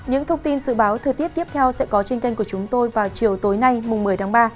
những thông tin dự báo thời tiết tiếp theo sẽ có trên kênh của chúng tôi vào chiều tối nay một mươi tháng ba